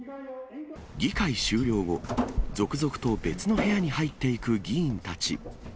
議会終了後、続々と別の部屋に入っていく議員たち。